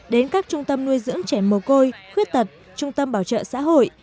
đến các trung tâm nuôi dưỡng trẻ mồ côi khuyết tật trung tâm bảo trợ xã hội